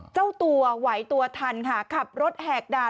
เจ้าตัวไหวตัวทันค่ะขับรถแหกด่า